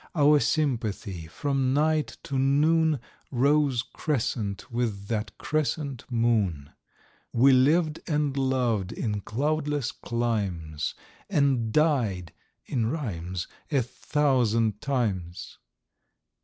Our sympathy, from night to noon, Rose crescent with that crescent moon, We lived and loved in cloudless climes, And died (in rhymes) a thousand times.